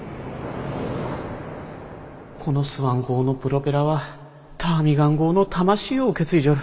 このスワン号のプロペラはターミガン号の魂を受け継いじょる。